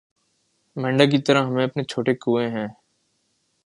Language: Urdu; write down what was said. مینڈک کی طرح ہمیں اپنے چھوٹے کنوئیں میں